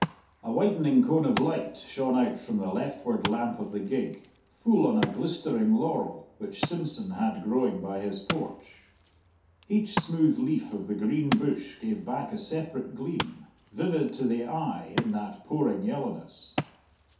A widening cone of light shone out from the leftward lamp of the gig, full on a glistering laurel, which Simpson had growing by his porch. Each smooth leaf of the green bush gave back a separate gleam, vivid to the eye in that pouring yellowness.